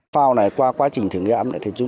phao này qua quá trình thử nghiệm